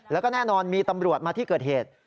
แล้วก็แน่นอนมีตำรวจมาที่เกิดเหตุ